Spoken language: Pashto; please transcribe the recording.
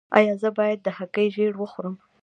ایا زه باید د هګۍ ژیړ وخورم؟